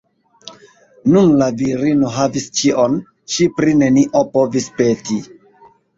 Nun la virino havis ĉion, ŝi pri nenio povis peti.